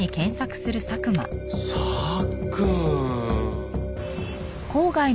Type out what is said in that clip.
さっくん！